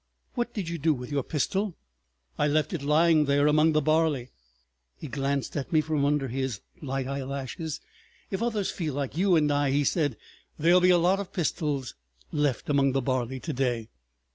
What did you do with your pistol?" "I left it lying there—among the barley." He glanced at me from under his light eyelashes. "If others feel like you and I," he said, "there'll be a lot of pistols left among the barley to day.